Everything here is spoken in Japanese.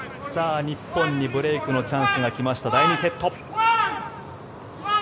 日本にブレークのチャンスが来ました第２セット。